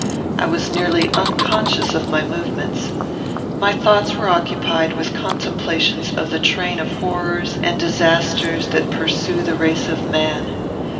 I was nearly unconscious of my movements. My thoughts were occupied with contemplations of the train of horrors and disasters that pursue the race of man.